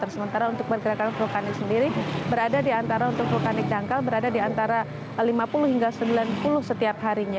sementara untuk pergerakan vulkanik sendiri berada di antara untuk vulkanik dangkal berada di antara lima puluh hingga sembilan puluh setiap harinya